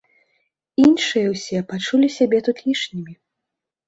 Іншыя ўсе пачулі сябе тут лішнімі.